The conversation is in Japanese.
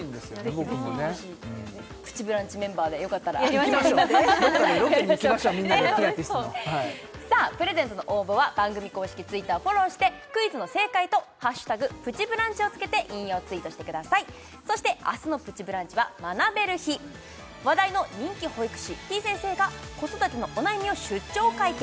僕もね「プチブランチ」メンバーでよかったら行きましょうどこかロケに行きましょうみんなでピラティスのさあプレゼントの応募は番組公式Ｔｗｉｔｔｅｒをフォローしてクイズの正解と「＃プチブランチ」を付けて引用ツイートしてくださいそして明日の「プチブランチ」は学べる日話題の人気保育士てぃ先生が子育てのお悩みを出張解決！